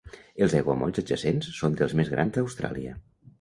Els aiguamolls adjacents són dels més grans d'Austràlia.